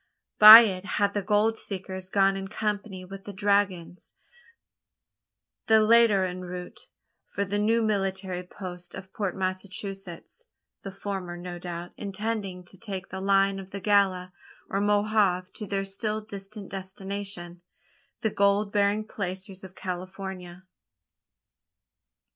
By it had the gold seekers gone in company with the dragoons the latter en route for the new military post of Port Massachusetts the former, no doubt, intending to take the line of the Gila or Mohave to their still distant destination the gold bearing placers of California?